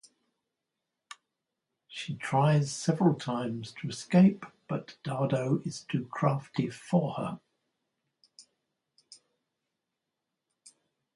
She tries several times to escape, but Dardo is too crafty for her.